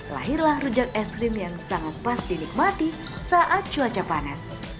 lahirlah rujak es krim yang sangat pas dinikmati saat cuaca panas